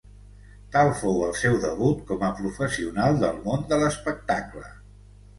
Tal fou el seu debut com a professional del món de l'espectacle.